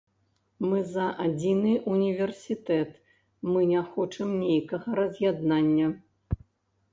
Мы за адзіны ўніверсітэт, мы не хочам нейкага раз'яднання.